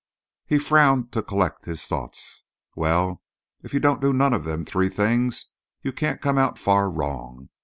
He frowned to collect his thoughts. "Well, if you don't do none of them three things, you can't come out far wrong.